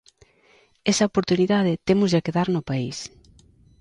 Esa oportunidade témoslla que dar no país.